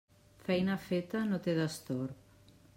Feina feta no té destorb.